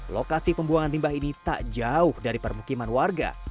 lokasi pembuangan limbah ini tak jauh dari permukiman warga